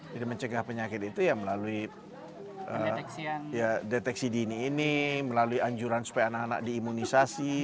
jadi mencegah penyakit itu ya melalui deteksi dini ini melalui anjuran supaya anak anak diimunisasi